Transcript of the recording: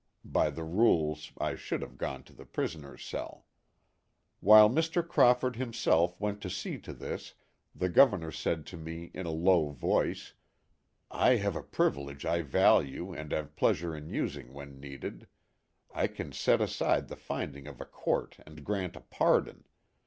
(By the rules I should have gone to the prisoner's cell.) While Mr. Crawford himself went to see to this the Governor said to me in a low voice :" I have a privilege I value and have pleasure in using when needed I can set aside the finding of a court and grant a pardon.